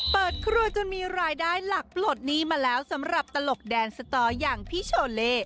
เปิดครัวจนมีรายได้หลักปลดหนี้มาแล้วสำหรับตลกแดนสตออย่างพี่โชเล่